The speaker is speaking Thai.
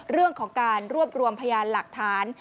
เรื่องของการรวบรวมพยานหลักฐาน